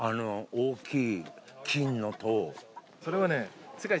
大きい！